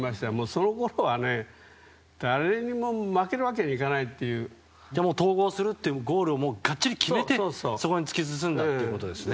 そのころは、誰にも負けるわけにはいかないって。統合するというゴールをかっちり決めてそこに突き進んだってことですね。